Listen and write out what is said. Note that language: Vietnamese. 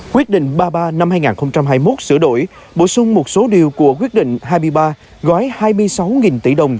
quyết định ba mươi ba năm hai nghìn hai mươi một sửa đổi bổ sung một số điều của quyết định hai mươi ba gói hai mươi sáu tỷ đồng